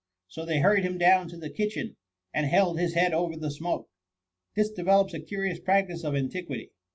So they hurried him down to the kitchen. And held his head over the smoke.' This developes a curious practice of anti quity.